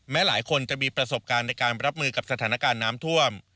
หลายคนจะมีประสบการณ์ในการรับมือกับสถานการณ์น้ำท่วม